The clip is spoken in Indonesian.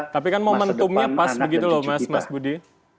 tapi kan momentumnya pas begitu loh mas budi